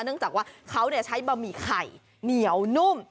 เนื่องจากว่าเขาใช้บะหมี่ไข่เหนียวนุ่ม